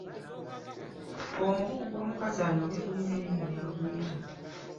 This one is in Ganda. Omugugu gw’omukazi anobye gulina erinnya lye baguyita.